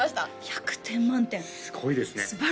１００点満点すばらしいすごいですね